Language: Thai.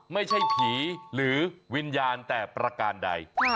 ไม่ใช่ผีหรือวิญญาณแต่ประการใด